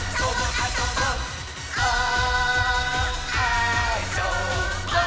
「あそぼー！」